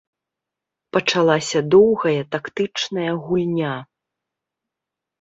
Пачалася доўгая тактычная гульня.